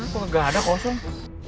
kok gak ada kosong